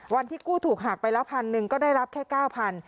วันที่กู้ถูกหากไปแล้ว๑๐๐๐ก็ได้รับแค่๙๐๐๐